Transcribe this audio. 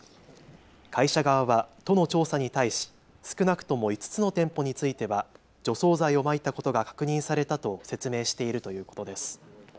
会社側は都の調査に対し少なくとも５つの店舗については除草剤をまいたことが確認されたと説明しているということです。